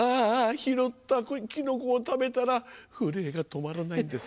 拾ったキノコを食べたら震えが止まらないんです。